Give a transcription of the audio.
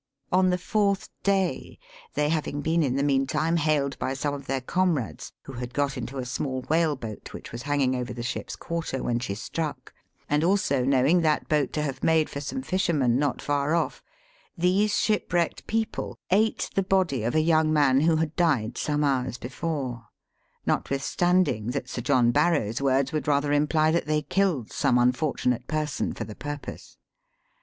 On the fourth day — they having been in the meantime hailed by some of their comrades who had got into a small whale boat which was hanging over the ship's quarter when she struck ; and also knowing that boat to have made for some fishermen not far off — these shipwrecked people ate the body of a young man who had died some hours before : notwithstanding that Sir John Barrow's words would rather imply that they killed some unfortunate person for the purpose.